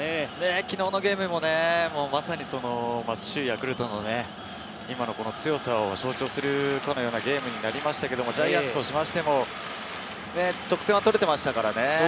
昨日のゲームもまさに首位ヤクルトの今のこの強さを象徴するゲームになりましたけれどジャイアンツとしましても、得点は取れてましたからね。